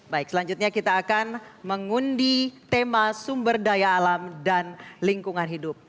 baik selanjutnya kita akan mengundi tema sumber daya alam dan lingkungan hidup